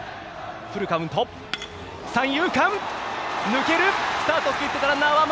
三遊間、抜ける。